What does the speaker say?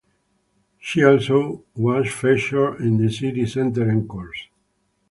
She also was featured in the City Center Encores!